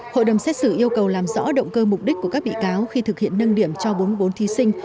hội đồng xét xử yêu cầu làm rõ động cơ mục đích của các bị cáo khi thực hiện nâng điểm cho bốn mươi bốn thí sinh